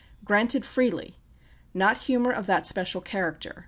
Granted freely; not humour of that special character.